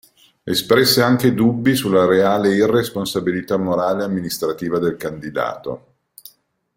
Espresse anche dubbi sulla reale irresponsabilità morale e amministrativa del candidato.